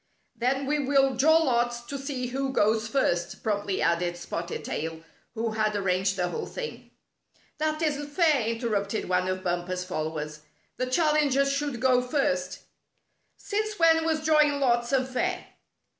" Then we will draw lots to see who goes first," promptly added Spotted Tail, who had arranged the whole thing. " That isn't fair," interrupted one of Bumper's followers. "The challenger should go first." "Since when was drawing lots unfair?"